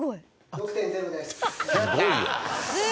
６．０です！